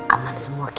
aman semua gigi